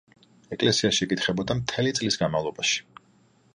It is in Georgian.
ეკლესიაში იკითხებოდა მთელი წლის განმავლობაში.